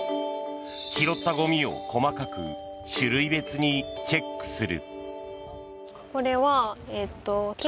拾ったゴミを細かく、種類別にチェックする。